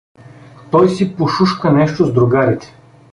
Той си пошушука нещо с другарите.